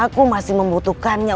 aku masih membutuhkannya